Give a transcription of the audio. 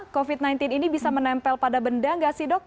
covid sembilan belas ini bisa menempel pada benda nggak sih dok